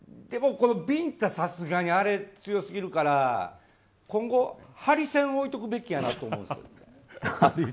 でもこのビンタはさすがにあれは強すぎるから今後ハリセンおいておくべきやなと。